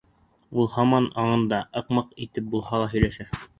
Үҙе һаман аңында, ыҡ-мыҡ итеп булһа ла һөйләшә.